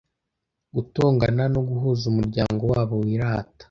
gutongana no guhuza umuryango wabo wirata,